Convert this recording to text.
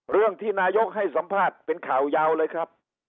เรื่องที่นายกให้สัมภาษณ์เป็นข่าวยาวเลยครับ